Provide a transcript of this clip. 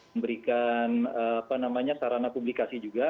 memberikan sarana publikasi juga